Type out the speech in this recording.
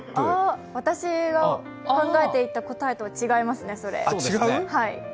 私が考えていた答えとは違いますね、それ。